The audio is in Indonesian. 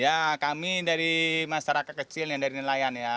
ya kami dari masyarakat kecil yang dari nelayan ya